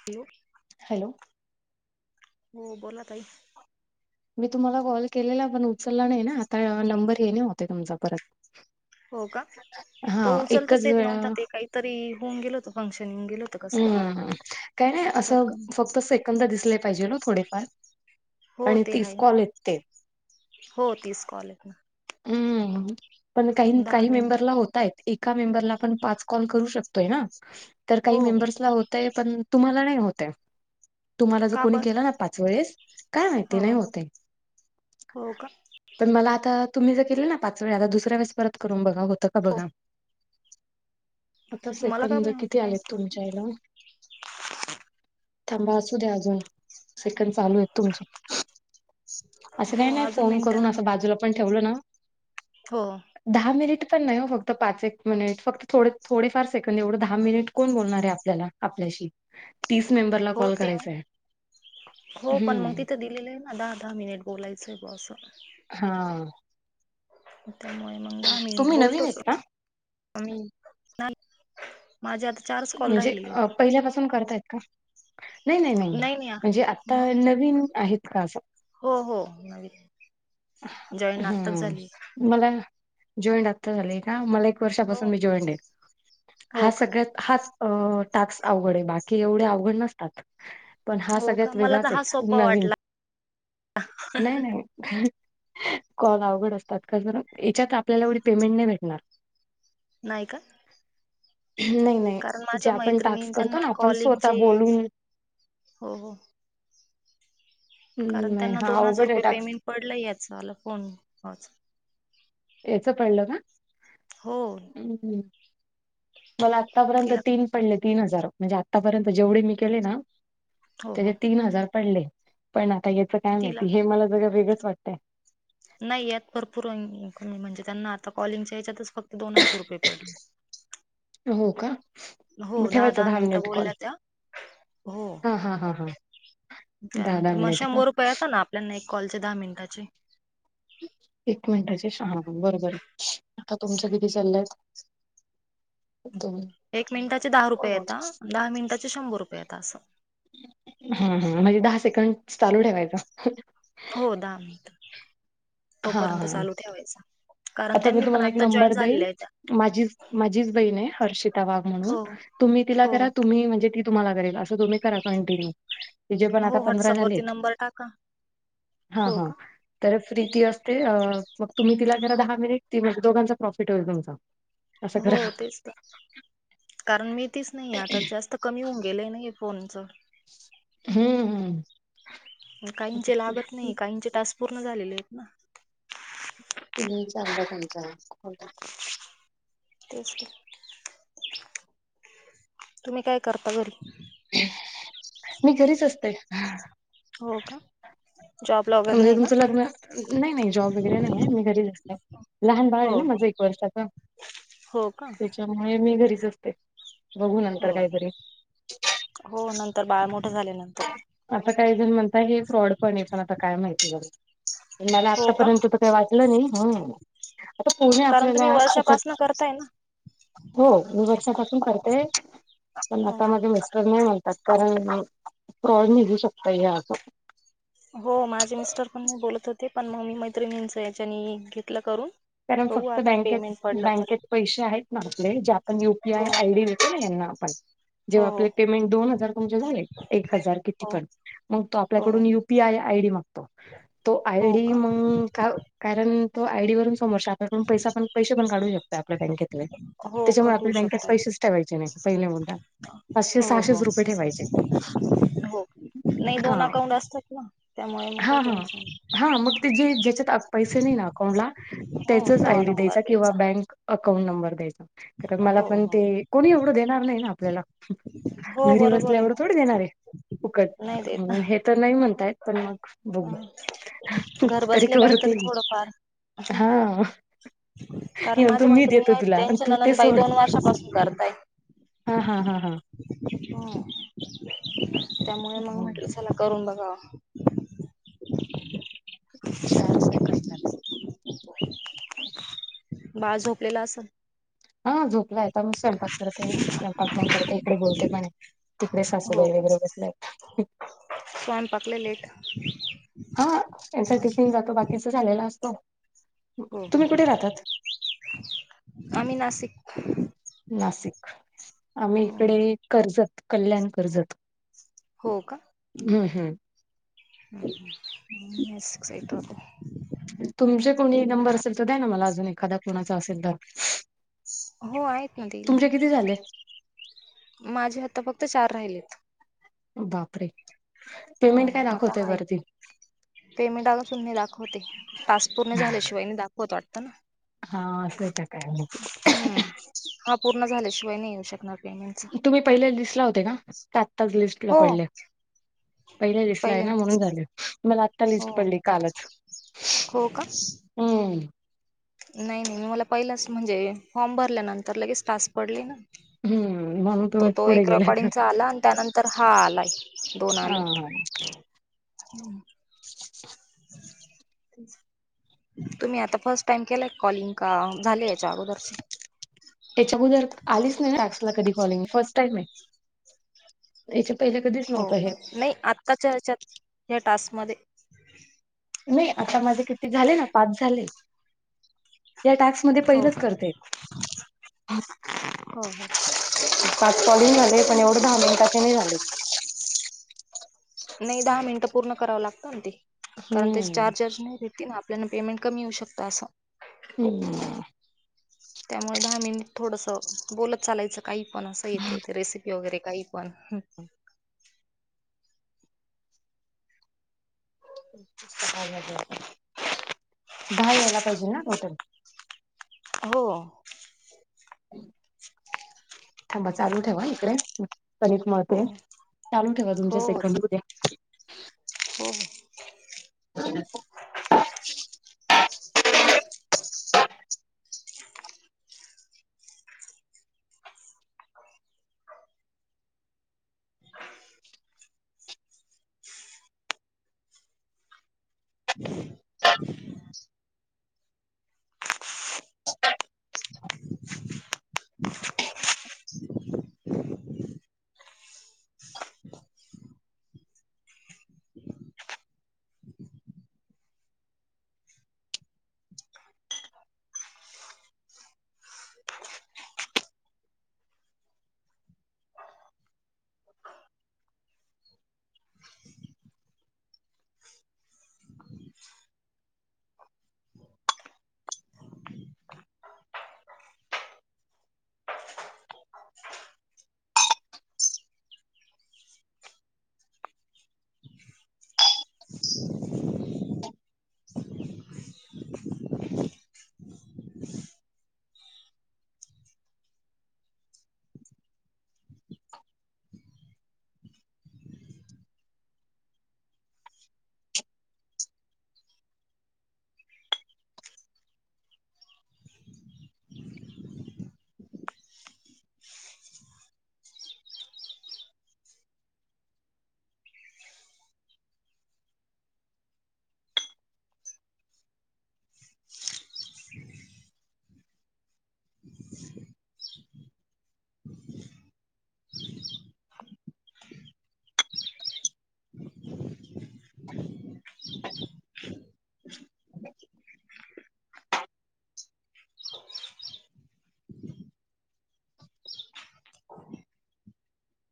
Hello hello हो बोला ताई. मी तुम्हाला कॉल केलेला पण उचलला नाही ना आता नंबर हे नाही होतय तुमचा परत. हो का, हा तो उचलताच एकच येत वेळा नव्हता ते काहीतरी होऊन गेल होत फंक्शनिंग गेल आ काय नाही असं फक्त सेकंद दिसले पाहिजेल ओ थोडेफार. हो आणि ते आहे तीस कॉल आहेत ते. हो तीस कॉल आहेत ना. हम्म, पण काहीन दहा काही मिनिट मेंबरला होता येत. एका मेंबरला आपण पाच कॉल करू शकतोय ना, तर काही हो हो मेंबर्सला होतय पण तुम्हाला नाही होतये, तुम्हाला जो का कोणी बर केला ना पाच वेळेस काय माहिती नाही ह होतय. हो का पण मला आता तुम्ही जर केलं ना पाच वेळे आता दुसऱ्या वेळेस परत करून बघा होतं का बघा? आता मला का सेकंद नाही होते किती काय आलेत तुम च्याला ऊ, थांबा असू द्या अजून. सेकद चालू आहेत तुमचे, असं हो काही नाही अजून फोन करून मिनटं असं बाजूला पण ठेवलं ना हो. दहा मिनिट पण नाही हो फक्त पाच एक मिनिट. फक्त थोडे थोडेफार सेकंड एवढं दहा मिनिट कोण बोलणार आहे आपल्याला आपल्याशी. तीस मेंबरला हो कॉल ते करायचा आहे, हम्म. दिलय ना दहा दहा मिनिट बोलायचंय बो अस. हा. त्यामुळे मग दहा मिनिट तुम्ही नवीन बोलतोच आहेत का [unintelligible] माझे आता चारच कॉल म्हणजे अ, राहिलेलेत. पहिल्यापासून करतायेत का? नाही नाही नाही, म्हणजे आता मग नवीन आहेत का असं? हो हो नवीन, जॉईन आत्ताच झाले. हम्म मला, जॉईंट आत्ता झालंय का मला एक हो वर्षापासून मी जॉईंट आहे, हो हा का सगळ्यात हाच अ टास्क अवघड आहे बाकी एवढे अवघड नसतात. पण हा हो का सगळ्यात मला तर वेगळाच हा आहे, सोपा नवीन, वाटला नाय नाय कॉल अवघड असतात का जरा याच्यात आपल्याला एवढी पेमेंट नाही भेटणार. नाही का? नाही नाही, कारण जे माझ्या आपण मैत्रिणी टास्क करतो त्यांना ना आपण कॉलिंगचे स्वतः बोलून. हो हो. हम्म, कारण नाही त्यांना हा दोन हजार अवघड आहे रुपये टास्क पेमेंट पडलं याच आल फोन [unintelligible] याच पडलं का? हो. हम्म, मला आतापर्यंत तिला तीन पडले तीन हजार म्हणजे आतापर्यंत जेवढे मी केले ना, हो हो त्याजे तीन हजार पडले. पण आता याच काय तिला माहिती हे मला जरा वेगंच वाटतय. नाही यात भरपूर इन्कये म्हणजे त्यांना आता कॉलिंगच्या याच्यातच फक्त दोन हजार रुपये पडले. हो का? हो मग दहा ठेवायचा दहा मिनिट कॉल बोल्या त्या, हो. हा हा हा हा दहा दहा त्यानंतर म मिनिट का शंभर रुपये येता न आपल्याना एक कॉलचे दहा मिनिटाचे. एक मिनिटाचे श बरोबर आहे आता तुमच किती चालेत? दोन एक मिनिटाचे दहा रुपये येता हं दहा मिनटाचे शंभर रुपये येता असं. हम्म हम्म म्हणजे दहा सेकंड चालू ठेवायचा. हो दहा मिनिट, हा तोपर्यंत हा चालू ठेवायचा. कारण आता मी त्यांनी पण तुम्हाला एक आता नंबर जॉईन देईल. झालेले आहेत माझी माझीच बहीण आहे हर्षिता वाघ हो म्हणून तुम्ही तिला हो करा तुम्ही म्हणजे ती तुम्हाला करेल असं तुम्ही करा कंटिन्यू तिचे पण आता हो पंधरा व्हॉट्सअपवरती झालेत नंबर टाका. हा हो हा का? तर फ्री ती असते मग तुम्ही तिला गेणार हं. दहा मिनिट ती म्हणजे दोघांचा प्रॉफिट होईल तुमचा. असं हो करा तेच त कारण मी तीच नाही आता जास्त कमी होऊन गेल न हे फोनच हम्म हम्म काहींचे लागत नाही काहींचे टास्क पूर्ण झालेले आहेत न. तिघींच्या दोघींच्या [unintelligible] तेस का तुम्ही काय करता घरी मी घरीच असते हो का जॉबला वगैरे म्हणजे नाही का? तुमचं लग्न नाही नाही जॉब वगैरे नाहीे मी घरीच असते. लहान बाळ आहे हो न हो माझं एक वर्षाचं. हो का त्यामुळे मी घरीच असते बघू हो नंतर काहीतरी हो नंतर बाळ मोठं झाल्या नंतर आता काही जण म्हणता हे फ्रॉड पण आहे पण आता काय माहिती ब मला हो का आतापर्यंत वाटलं नाही आता कोणे कारण तुम्ही आपल्याला फुकट वर्षापासन करताय ना हो मी वर्षापासून करतेय पण हो आता माझ मस्त नाही म्हणतात कारण फॉड निघू शकता या असं हो माझे मिस्टर पण मी बोलत होते पण मग मी मैत्रिणींचं याच्यानी घेतलं करून कारण बघू फक्त आता बँकेत पेमेंट पडलं तर बँकेत पैसे आहेत ना आपले जे आपण युपीआय हो. आय डी देतो ना यांना आपण हो जेव्हा आप पेमें दोन हजार तम झा एक हजार कि हो पणग त हो आपल्याकडून पी आय आयडी मागतो तो हो आयडी का म कारण तो आयडी वून समोरल्या पै पण पैसे पण काढू शकतो आपल्या बँकेतले हो त्याच्यामुळे कट होऊ आपल्या बँकेत शकतय पैसेच ठेवायचे नाही पहिले मुदाा हो हो हो नाही हा दोन अकाउंट असतात ना त्यामुळे मग काही हा हा टेन्शन नाही हा मग ते जे ज्याच्यात पैसे नाही ना अकाउंटला हो त्याचाच तो आयडी नंबर द्यायचा किंवा बँक अकाउंट नंबर द्यायचा कारण मला हो पण हो ते कोणी एवढं देणार नाही ना आपल्याला हो घरी बरोबर आहे बसल्यावर थोड मग देणारे फुकट नाही देत ना हे तर नाही म्हणतायत पण मग बघ हं. खूप तरीक करती ह हे कारण म्हणतो माझ्या मी मैत्रिणी देतो आहेत तुला आणि त्यांचे तू ते नननबाई सोड दोन वर्षापासून करताय हा हा हा हा हो त्यामुळे मग म्हटलं चला करून बघावं. चार सेकंदात बाळ झोपलेला असल. हा झोपला आहे. आता मग स्वयंपाक करते. स्वयंपाक मण करते, इकडे बोलते पण. तिकडे हो सासूबाई वगैरे बसल्यात स्वयं पाकलेले एक हा त्यांचा टिफिन जातो, बाकीचा झालेला असतो. हो का, तुम्ही कुठे राहतात आम्ही नाशिक नाशिक, आम्ही हो इकडे कर्जत कल्याण कर्जत हो का. हम्, हम् हम् ह बिकसतत [inaudible] तुमचे कोणी नंबर असेल तर द्या ना मला अजून एखादा कोणाचा असेल तर हो आहेत ना देईल, तुमचे किती झाले माझे आत्ता फक्त चार राहिलेत. बापरे, हो पेमेंट काय आता दाखवतय आहे वरती? पेमेंट अजून पण नाही दाखवते. टास्क पूर्ण झाल्याशिवाय नाही दाखवत वाटत. हा असं आहे का काय माहिती. हम्म, हा पूर्ण झाल्याशिवाय नाही येऊ शकणार. पेमेंटचा तुम्ही पहिले लिस्ट ला होते का? आत्ताच लिस्टला हो पडल्या. पहिले लिस्टला आहे ना म्हणून पहिल्यांदाच झाले. मला आ आता हो लिस्ट पडली कालच. हो का हम नाही नाही मला पहिलाच म्हणजे फॉर्म भरल्यानंतर लगेच तास पडली ना. हम्म म्हणून तो- तुम्ही तो पुढे एक गेला रेकॉर्डिंगचा आला आणि त्यानंतर हा आलाय दोन हा आले. हा हम् ह [inaudible] ते आहे [inaudible] तुम्ही आता फर्स्ट टाइम केलाय कॉलिंग का झाले याच्या अगोदरचे. याच्या अगोदर आलीच नाही ना टास्क ला कधी कॉलिंग फर्स्ट टाईम आहे. याचे पहिले कधीच हो नव्हत का हे. नाही आ आत्ताच्या ह्याच्यात या टास्कमध्ये नाही आता माझे किती झाले ना पाच झाले. या टास्क म हो पहिच का कर [inaudible] हो हो. पाच कॉलिंग झाले पण एवढं दहा मिनिटाच्या नाही झाले. नाही दहा मिनिटं पूर्ण करावं लागतं ते, कारण त्या हम्म चार्जर नाही. ना आपल्याला पेमेंट कमी होऊ शकता असं. हम्. त्यामुळे दहा मिनिट थोडस बोलत चालायचं. काही पण असं एक, एक, रेसिपी वगैरे काही पण सहा झाले, आता दहा यायला पाहिजे ना टोटल? हो. थांबा चालू ठेवा इकडे कणिक मळते, हो चालू ठेवा तुमच्या हो सेकंद होऊ द्या. हो हो [inaudible] ह [inaudible]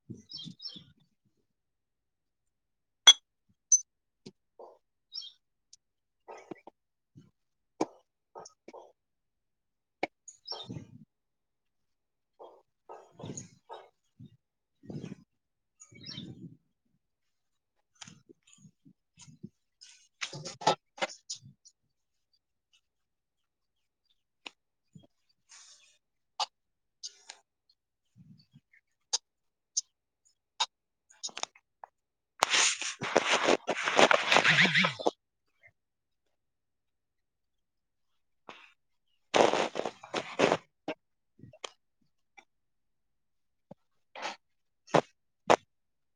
ह [inaudible] ह [unintelligible] हो [unintelligible] [unintelligible]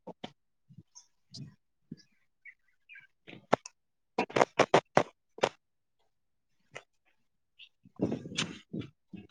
हो [unintelligible] [unintelligible] [unintelligible]